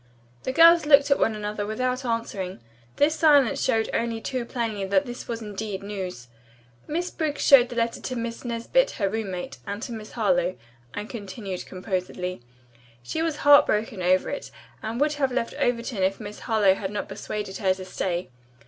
The girls looked at one another without answering. This silence showed only too plainly that this was indeed news. "Miss Briggs showed the letter to Miss Nesbit, her roommate, and to Miss Harlowe," Anne continued composedly. "She was heartbroken over it and would have left Overton if Miss Harlowe had not persuaded her to stay.